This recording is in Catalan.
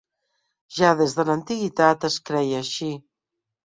Ja des de l'antiguitat es creia així.